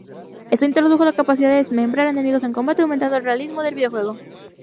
Esto introdujo la capacidad de desmembrar enemigos en combate, aumentando el realismo del videojuego.